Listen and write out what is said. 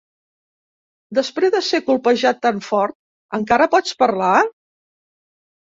Després de ser colpejat tant fort, encara pots parlar?